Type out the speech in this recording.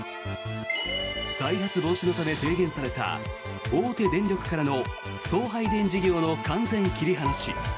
再発防止のため提言された大手電力からの送配電事業の完全切り離し。